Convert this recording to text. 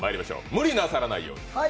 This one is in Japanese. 無理なさらないように。